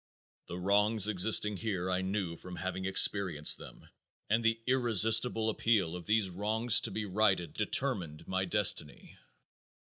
The wrongs existing here I knew from having experienced them, and the irresistible appeal of these wrongs to be righted determined my destiny.